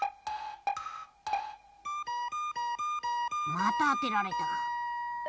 またあてられた。